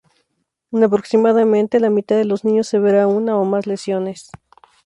En aproximadamente la mitad de los niños se verá una o más lesiones.